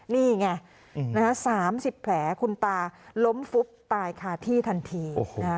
นี่ไงสามสิบแผลคุณตาล้มฟุบตายค่ะที่ทันที